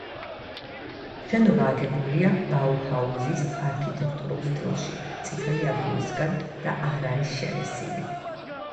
შენობა აგებულია ბაუჰაუზის არქიტექტურულ სტილში წითლი აგურისაგან და არ არის შელესილი.